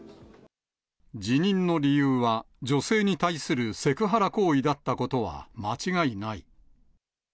辞任の理由は、女性に対するセクハラ行為だったことは間違いない。